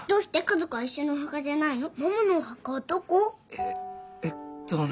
えっえっとね。